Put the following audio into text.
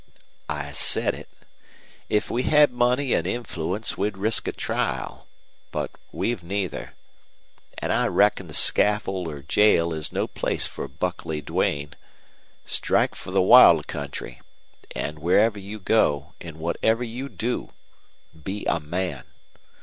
"I said it. If we had money an' influence we'd risk a trial. But we've neither. An' I reckon the scaffold or jail is no place for Buckley Duane. Strike for the wild country, an' wherever you go an' whatever you do be a man.